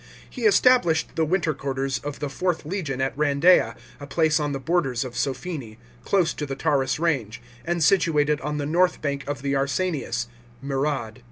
He established the winter quarters of the IVth legion at Kandeia, a place on the borders of Sophene, close to the Taurus range, and situated on the north bank of the Arsanias (Murad).